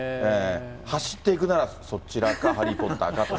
走っていくなら、そちらかハリー・ポッターか。